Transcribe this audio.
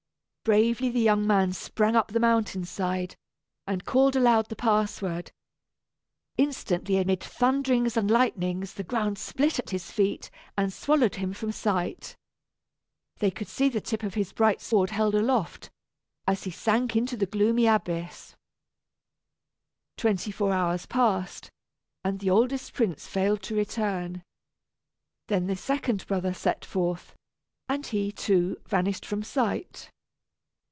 Bravely the young man sprang up the mountain side, and called aloud the password. Instantly amid thunderings and lightnings the ground split at his feet and swallowed him from sight. They could see the tip of his bright sword held aloft, as he sank into the gloomy abyss. Twenty four hours passed, and the oldest prince failed to return. Then the second brother set forth, and he, too, vanished from sight.